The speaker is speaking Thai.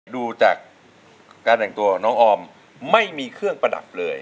ดูจากการแต่งตัวของน้องออมไม่มีเครื่องประดับเลย